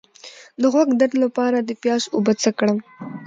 د غوږ درد لپاره د پیاز اوبه څه کړم؟